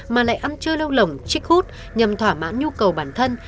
mà lại ăn chơi lâu lỏng chích hút nhằm thỏa mãn nhu cầu bản thân